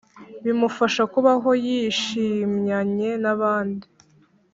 bimufasha kubaho yishimyanye nabandi?